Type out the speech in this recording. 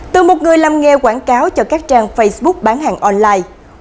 từ một người làm nghề quảng cáo cho các trang facebook bán hàng online